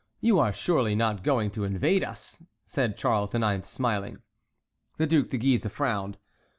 You are surely not going to invade us?" said Charles IX., smiling. The Duc de Guise frowned.